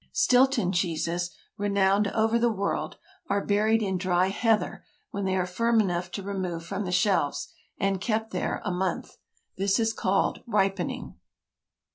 Stilton cheeses—renowned over the world—are buried in dry heather when they are firm enough to remove from the shelves, and kept there a month. This is called "ripening."